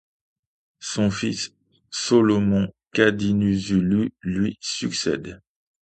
Son fils Solomon kaDinuzulu lui succède.